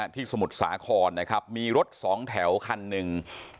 ที่สมุทรสาครมีรถสองแถวคันนึง